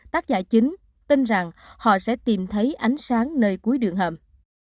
tác giả chính tin rằng họ sẽ tìm thấy ánh sáng nơi cuối đường hầm